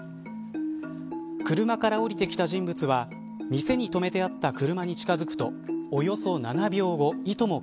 車から降りてきた人物は店に止めてあった車に近づくとおよそ７秒後いとも